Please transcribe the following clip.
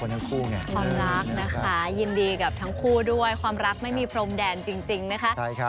ความรักไม่มีพรมแดนจริงนะคะ